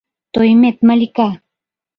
Тоймет Малика!